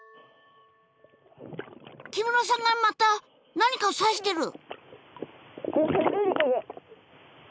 木村さんがまた何か指してる。